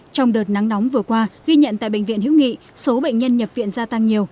trong đợt nắng nóng vừa qua ghi nhận tại bệnh viện hữu nghị số bệnh nhân nhập viện gia tăng nhiều